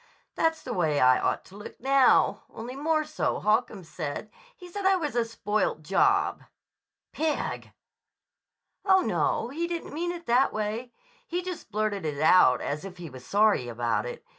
"That's the way I ought to look now, only more so, Holcomb said. He said I was a spoilt job." "Pig!" "Oh, no. He didn't mean it that way. He just blurted it out as if he was sorry about it.